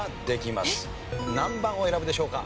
何番を選ぶでしょうか？